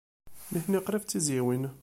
Nitni qrib d tizzyiwin.